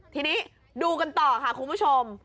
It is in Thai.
ทีนี้ดูกันต่อค่ะคุณผู้ชม